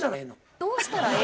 「どうしたらええ」？